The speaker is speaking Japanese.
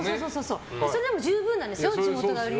それでも十分なんですよ。